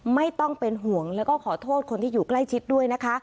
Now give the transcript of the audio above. ไม่ต้องเป็นห่วงแล้วก็ขอโทษคนที่อยู่ใกล้ชิดด้วยนะคะ